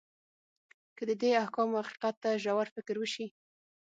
که د دې احکامو حقیقت ته ژور فکر وشي.